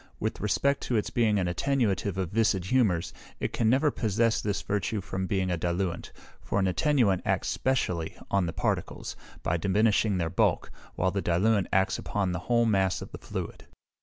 With respect to its being an attenuative of viscid humours, it can never possess this virtue from being a diluent, for an attenuant acts specially on the particles, by diminishing their bulk, while the diluent acts upon the whole mass of the fluid.